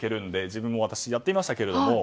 自分もやってみました。